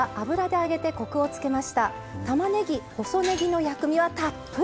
たまねぎ細ねぎの薬味はたっぷりと。